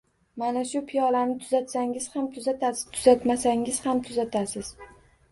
Mana shu piyolani tuzatsangiz ham tuzatasiz, tuzatmasangiz ham tuzatasiz